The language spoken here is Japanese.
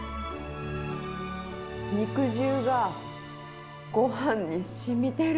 肉汁がごはんにしみてる。